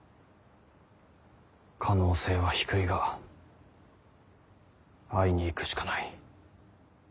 可能性は低いが会いに行くしかない。